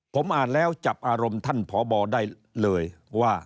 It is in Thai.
ผมอ่านแล้วจับอารมณ์ท่านพบได้เลยว่า